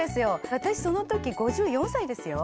私その時５４歳ですよ。